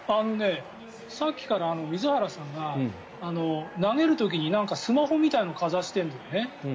さっきから水原さんが投げる時にスマホみたいなのをかざしているんだよね。